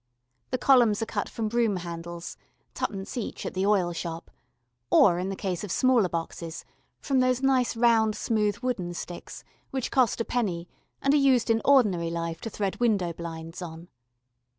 The columns are cut from broom handles twopence each at the oil shop, or, in the case of smaller boxes, from those nice round smooth wooden sticks which cost a penny and are used in ordinary life to thread window blinds on.